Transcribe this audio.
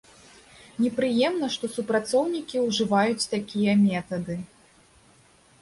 Непрыемна, што супрацоўнікі ўжываюць такія метады.